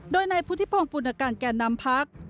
โดยในพุทธิพลมฟูนาการแก่นำพัก